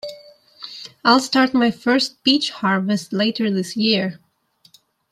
I'll start my first peach harvest later this year.